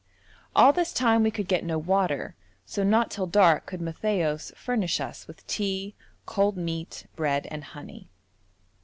All this time we could get no water, so not till dark could Matthaios furnish us with tea, cold meat, bread, and honey.